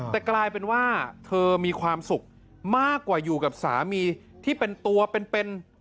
แต่กลายเป็นว่าเธอมีความสุขมากกว่าอยู่กับสามีที่เป็นตัวเป็นเป็น